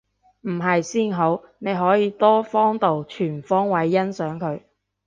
唔係先好，你可以多方度全方位欣賞佢